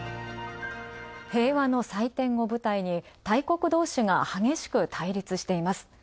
平和の祭典を舞台に大国同士が激しく対立しています。